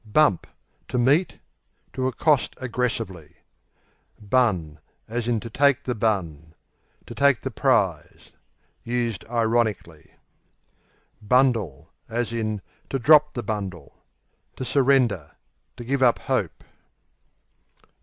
Bump To meet; to accost aggressively. Bun, to take the To take the prize (used ironically). Bundle, to drop the To surrender; to give up hope.